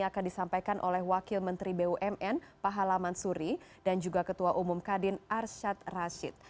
akan disampaikan oleh wakil menteri bumn pak halaman suri dan juga ketua umum kadin arsyad rashid